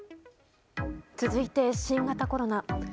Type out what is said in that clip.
続いて、新型コロナ。